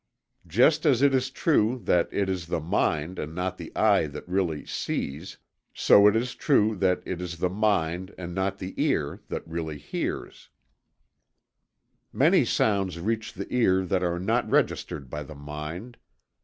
Just as it is true that it is the mind and not the eye that really sees; so is it true that it is the mind and not the ear that really hears. Many sounds reach the ear that are not registered by the mind.